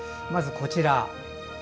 まずこちら。